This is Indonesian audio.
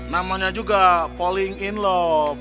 namanya juga falling in loh